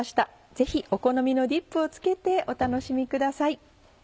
ぜひお好みのディップをつけてお楽しみください。